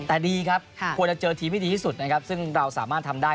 แต่ดีครับควรจะเจอทีมที่ดีที่สุดนะครับซึ่งเราสามารถทำได้